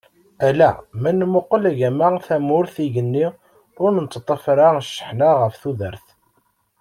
Ala ma nmuqel agama, tamurt, igenni ur nettaṭaf ara cceḥna ɣef tudert.